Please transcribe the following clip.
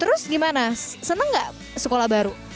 terus gimana seneng gak sekolah baru